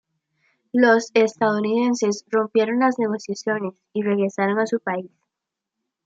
Los estadounidenses rompieron las negociaciones y regresaron a su país.